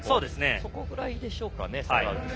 そこくらいでしょうかね。